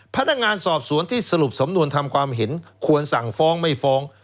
พนักงานสอบสวนที่สรุปสำนวนทำความเห็นควรสั่งฟ้องไม่ฟ้อง